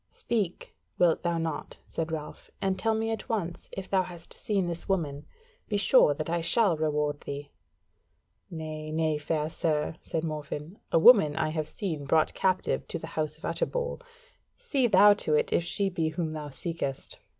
"Speak, wilt thou not," said Ralph, "and tell me at once if thou hast seen this woman? Be sure that I shall reward thee." "Nay, nay, fair sir," said Morfinn; "a woman I have seen brought captive to the House of Utterbol. See thou to it if it be she whom thou seekest."